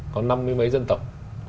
có năm mươi mấy dân tộc